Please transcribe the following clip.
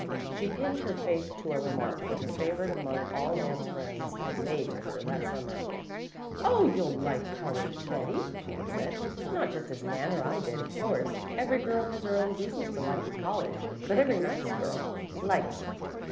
She pinned her faith to a remark that her favorite among all Nan's friends had made to her that summer. "Oh, you'll like college, Betty," she had said. "Not just as Nan or I did, of course. Every girl has her own reasons for liking college but every nice girl likes it."